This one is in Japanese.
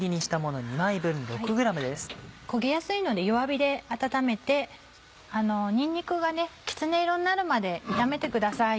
焦げやすいので弱火で温めてにんにくがきつね色になるまで炒めてください。